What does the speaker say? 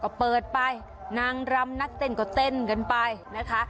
ก็เปิดไปนางรำนักเต้นก็เต้นกันไปนะคะ